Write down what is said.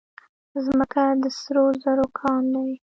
ځمکه د سرو زرو کان دی.